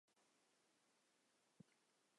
莱斯卡马泽人口变化图示